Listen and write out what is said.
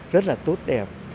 rất là tốt đẹp